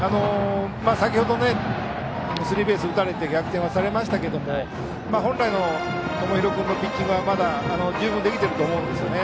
先程スリーベースを打たれて逆転されましたが本来の友廣君のピッチングはまだ十分できてると思うんですね。